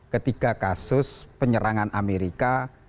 ketika kasus penyerangan amerika